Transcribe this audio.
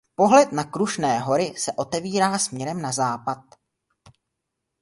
Pohled na Krušné hory se otevírá směrem na západ.